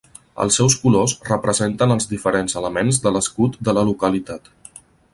Els seus colors representen els diferents elements de l'escut de la localitat.